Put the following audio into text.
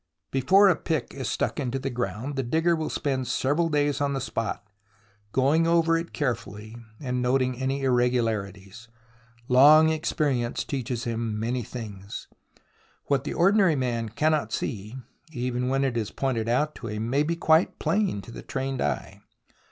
Before a pick is stuck into the ground, the digger will spend several days on the spot, going over it carefully, and noting any irregularities. Long experience teaches him many things. What the ordinary man cannot see, even when it is pointed out to him, may be quite plain to the trained eye.